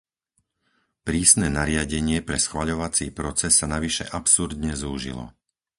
Prísne nariadenie pre schvaľovací proces sa navyše absurdne zúžilo.